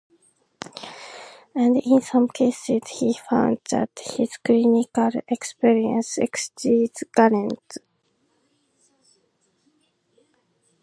And in some cases he finds that his clinical experience exceeds Galen's.